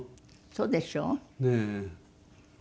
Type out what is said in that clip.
そうでしょう？ねえ。